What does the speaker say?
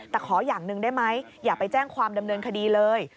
แต่ขออย่างหนึ่งได้ไหมอย่าไปแจ้งความดำเนินคดีเลย